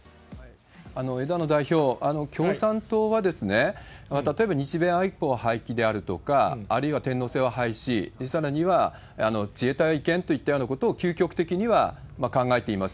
枝野代表、共産党は例えば日米安保を廃棄であるとか、あるいは天皇制を廃止、さらには自衛隊違憲といったようなことを、究極的には考えています。